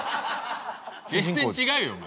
全然違うよお前。